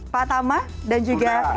pak tama dan juga